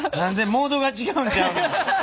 モードが違うんちゃうの？